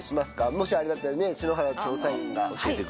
もしあれだったら、篠原調査員が。